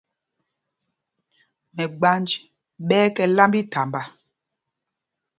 Mɛgbanj ɓɛ́ ɛ́ tɔ̄ lámb íthamba.